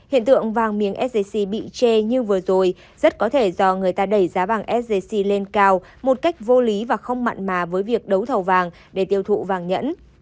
hiện tượng vàng miếng sgc bị che như vừa rồi rất có thể do người ta đẩy giá vàng sgc lên cao một cách vô lý và không mặn mà với việc đấu thầu vàng để tiêu thụ vàng nhẫn